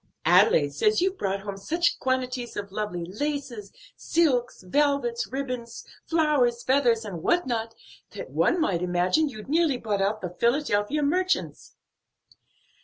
Adelaide says you've brought home such quantities of lovely laces, silks, velvets, ribbons, flowers, feathers and what not, that one might imagine you'd nearly bought out the Philadelphia merchants."